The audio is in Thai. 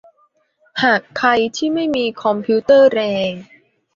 หากใครที่ไม่มีคอมพิวเตอร์แรง